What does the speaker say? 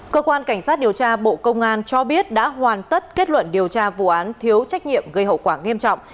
cơ quan cảnh sát điều tra bộ công an cho biết đã hoàn tất kết luận điều tra vụ án thiếu trách nhiệm gây hậu quả nghiêm trọng